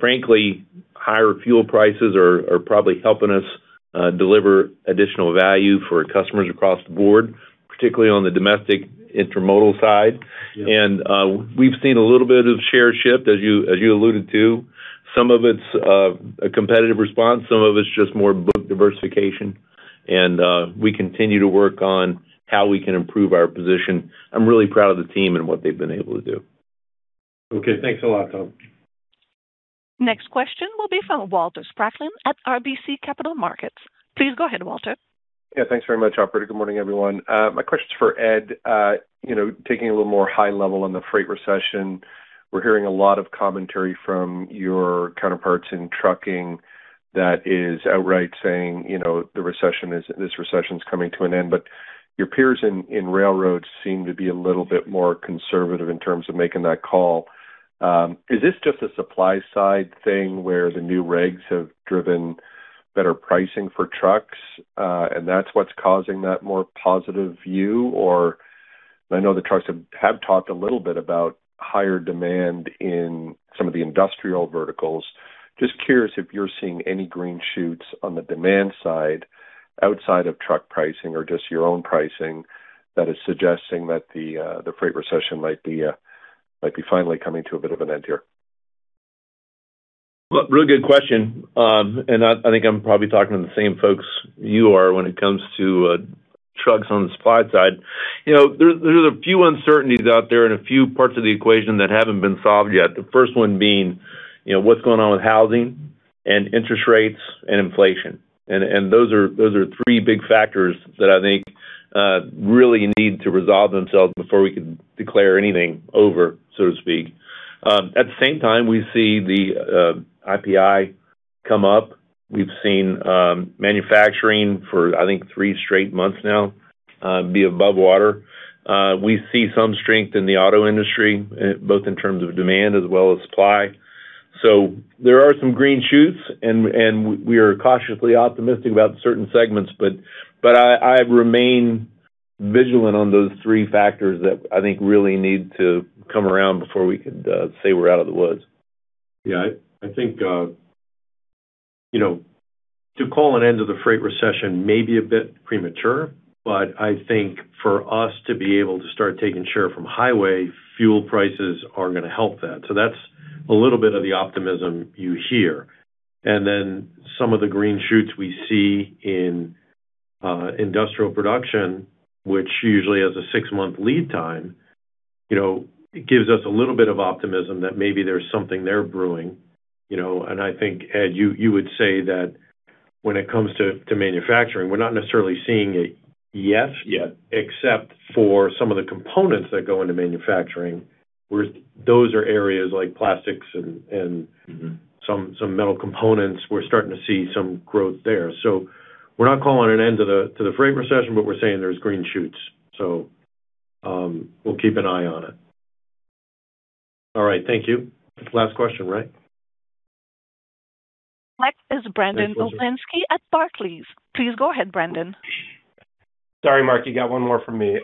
Frankly, higher fuel prices are probably helping us deliver additional value for customers across the board, particularly on the domestic Intermodal side. Yeah. We've seen a little bit of share shift, as you alluded to. Some of it's a competitive response, some of it's just more book diversification. We continue to work on how we can improve our position. I'm really proud of the team and what they've been able to do. Okay, thanks a lot, Tom. Next question will be from Walter Spracklin at RBC Capital Markets. Please go ahead, Walter. Yeah, thanks very much, operator. Good morning, everyone. My question is for Ed. Taking a little more high level on the freight recession, we're hearing a lot of commentary from your counterparts in trucking that is outright saying, this recession's coming to an end, but your peers in railroads seem to be a little bit more conservative in terms of making that call. Is this just a supply side thing where the new regs have driven better pricing for trucks, and that's what's causing that more positive view? Or I know the trucks have talked a little bit about higher demand in some of the industrial verticals. Just curious if you're seeing any green shoots on the demand side outside of truck pricing or just your own pricing that is suggesting that the freight recession might be finally coming to a bit of an end here. Look, real good question. I think I'm probably talking to the same folks you are when it comes to trucks on the supply side. There's a few uncertainties out there and a few parts of the equation that haven't been solved yet. The first one being, what's going on with housing and interest rates and inflation. Those are three big factors that I think really need to resolve themselves before we can declare anything over, so to speak. At the same time, we see the IPI come up. We've seen manufacturing for, I think, three straight months now be above water. We see some strength in the auto industry, both in terms of demand as well as supply. There are some green shoots, and we are cautiously optimistic about certain segments, but I remain vigilant on those three factors that I think really need to come around before we could say we're out of the woods. Yeah. I think to call an end to the freight recession may be a bit premature, but I think for us to be able to start taking share from highway, fuel prices are going to help that. That's a little bit of the optimism you hear. Some of the green shoots we see in industrial production, which usually has a six-month lead time, it gives us a little bit of optimism that maybe there's something there brewing. I think, Ed, you would say that when it comes to manufacturing, we're not necessarily seeing it yet. Yet Except for some of the components that go into manufacturing, those are areas like plastics and- Mm-hmm ...some metal components. We're starting to see some growth there. We're not calling an end to the freight recession, but we're saying there's green shoots. We'll keep an eye on it. All right. Thank you. Last question, right? Next is Brandon Oglenski at Barclays. Please go ahead, Brandon. Sorry, Mark, you got one more from me.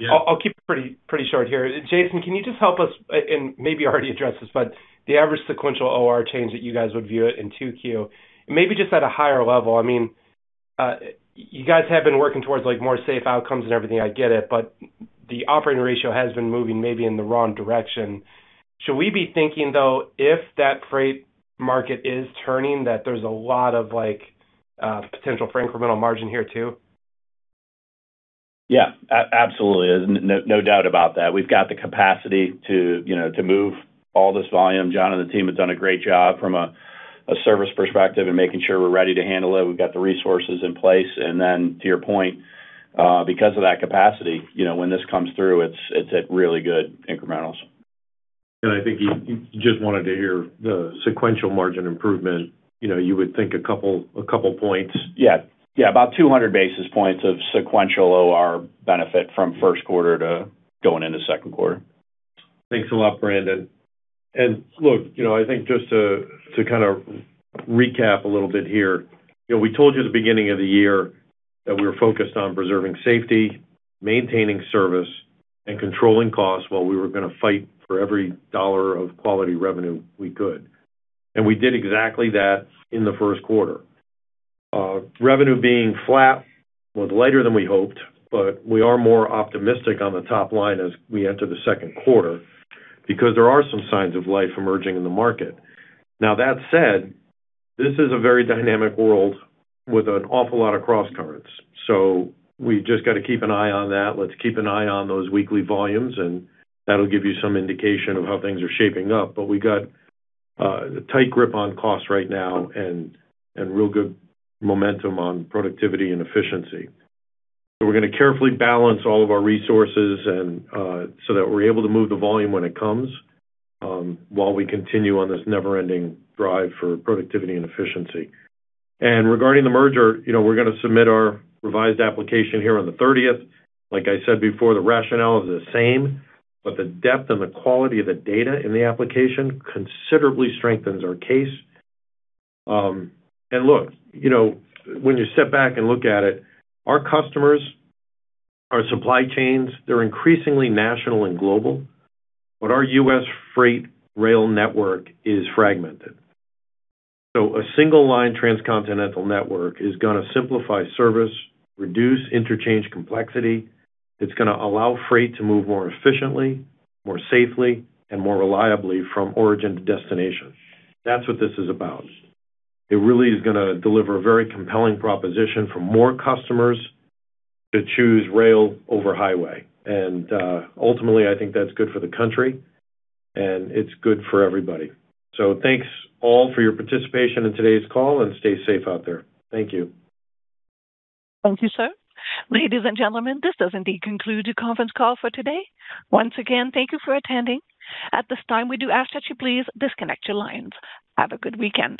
Yeah. I'll keep it pretty short here. Jason, can you just help us, and maybe you already addressed this, but the average sequential OR change that you guys would view it in Q2, maybe just at a higher level. You guys have been working towards more safe outcomes and everything, I get it, but the operating ratio has been moving maybe in the wrong direction. Should we be thinking, though, if that freight market is turning, that there's a lot of potential for incremental margin here, too? Yeah. Absolutely. No doubt about that. We've got the capacity to move all this volume. John and the team have done a great job from a service perspective and making sure we're ready to handle it. We've got the resources in place. To your point, because of that capacity, when this comes through, it's at really good incrementals. I think he just wanted to hear the sequential margin improvement. You would think a couple points. Yeah. About 200 basis points of sequential OR benefit from first quarter to going into second quarter. Thanks a lot, Brandon. Look, I think just to kind of recap a little bit here. We told you at the beginning of the year that we were focused on preserving safety, maintaining service, and controlling costs while we were going to fight for every dollar of quality revenue we could. We did exactly that in the first quarter. Revenue being flat was lighter than we hoped, but we are more optimistic on the top line as we enter the second quarter because there are some signs of life emerging in the market. Now, that said, this is a very dynamic world with an awful lot of crosscurrents. We've just got to keep an eye on that. Let's keep an eye on those weekly volumes, and that'll give you some indication of how things are shaping up. We got a tight grip on costs right now and real good momentum on productivity and efficiency. We're going to carefully balance all of our resources so that we're able to move the volume when it comes, while we continue on this never-ending drive for productivity and efficiency. Regarding the merger, we're going to submit our revised application here on the 30th. Like I said before, the rationale is the same, but the depth and the quality of the data in the application considerably strengthens our case. Look, when you step back and look at it, our customers, our supply chains, they're increasingly national and global, but our U.S. freight rail network is fragmented. A single line transcontinental network is going to simplify service, reduce interchange complexity. It's going to allow freight to move more efficiently, more safely, and more reliably from origin to destination. That's what this is about. It really is going to deliver a very compelling proposition for more customers to choose rail over highway. Ultimately, I think that's good for the country, and it's good for everybody. Thanks, all, for your participation in today's call, and stay safe out there. Thank you. Thank you, sir. Ladies and gentlemen, this does indeed conclude the conference call for today. Once again, thank you for attending. At this time, we do ask that you please disconnect your lines. Have a good weekend.